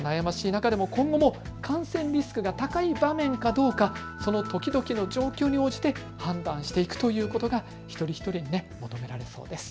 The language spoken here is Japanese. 中でも今後も感染リスクが高い場面かどうか、その時々、状況に応じて判断していくことが一人一人大事になりそうです。